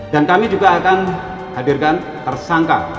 dan kami juga akan hadirkan tersangka